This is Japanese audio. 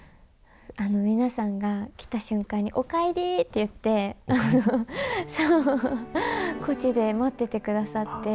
皆さんが、来た瞬間に、おかえりって言って、こっちで待っててくださって。